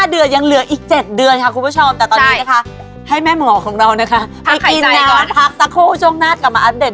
เดี๋ยวดิคิดไม่ซื้อ